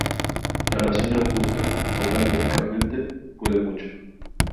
la oración del justo, obrando eficazmente, puede mucho.